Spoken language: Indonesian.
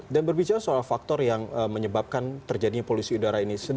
dan berbicara soal faktor yang menyebabkan terjadinya polusi udara ini